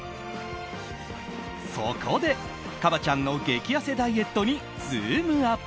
そこでＫＡＢＡ．ちゃんの激痩せダイエットにズームＵＰ！